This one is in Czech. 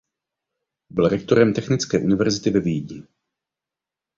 Byl rektorem Technické univerzity ve Vídni.